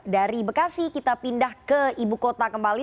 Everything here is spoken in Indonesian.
dari bekasi kita pindah ke ibu kota kembali